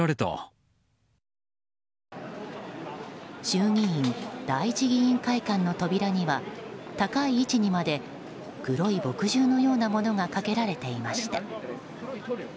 衆議院第一議員会館の扉には高い位置にまで黒い墨汁のようなものがかけられていました。